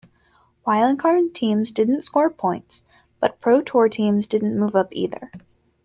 Wildcard teams didn't score points, but ProTour teams didn't move up either.